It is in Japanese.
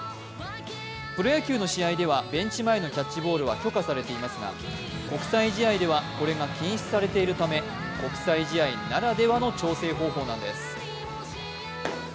プロ野球の試合ではベンチ前でのキャッチボールは許可されていますが国際試合ではこれが禁止されているため国際試合ならではの調整方法なんです。